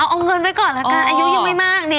เอาเงินไว้ก่อนละกันอายุยังไม่มากดิ